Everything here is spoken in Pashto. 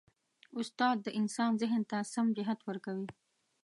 استاد د انسان ذهن ته سم جهت ورکوي.